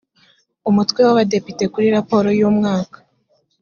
umutwe w’ abadepite kuri raporo y’ umwaka